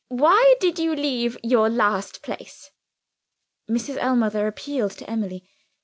Why did you leave your last place?" Mrs. Ellmother appealed to Emily.